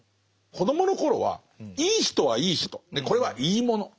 子どもの頃はいい人はいい人でこれはいい者。